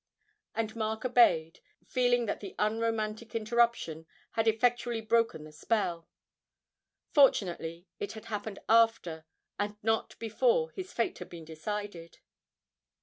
And Mark obeyed, feeling that the unromantic interruption had effectually broken the spell. Fortunately it had happened after, and not before his fate had been decided.